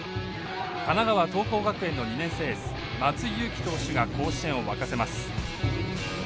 神奈川桐光学園の２年生エース松井裕樹投手が甲子園を沸かせます。